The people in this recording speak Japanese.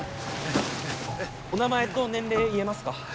お名前と年齢言えますか？